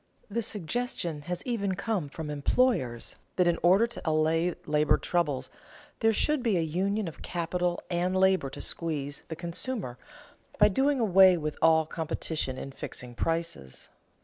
The suggestion has even come from employers that in order to allay labor troubles there should be a union of capital and labor to squeeze the consumer, by doing away with all competition in fixing prices.